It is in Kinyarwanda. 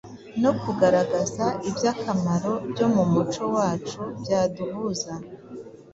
no kugaragaza iby'akamaro byo mu muco wacu byaduhuza